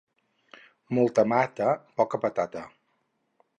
Molta mata, poca patata.